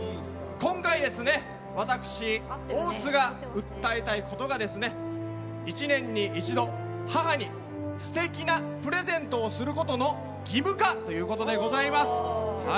今回、私、大津が訴えたいことが１年に一度、母に素敵なプレゼントをすることの義務化ということでございます。